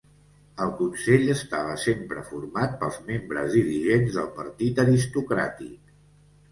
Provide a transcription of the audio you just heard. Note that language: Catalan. El consell estava sempre format pels membres dirigents del partit aristocràtic.